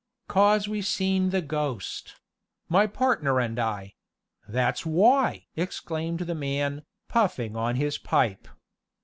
"'Cause we seen the ghost my partner and I that's why!" exclaimed the man, puffing on his pipe.